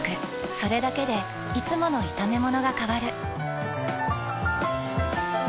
それだけでいつもの炒めものが変わる。